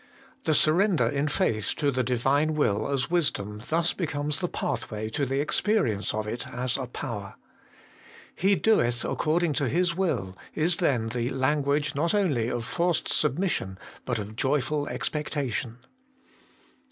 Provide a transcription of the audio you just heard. The surrender in faith to the Divine will as Wisdom thus becomes the pathway to the experience of it as a Power. ' He 228 HOLY IN CHRIST. doeth according to His will/ is then the language not only of forced submission, but of joyful expectation.